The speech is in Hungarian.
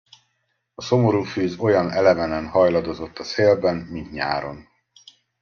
A szomorúfűz olyan elevenen hajladozott a szélben, mint nyáron.